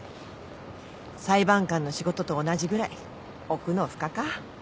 裁判官の仕事と同じぐらい奥の深か。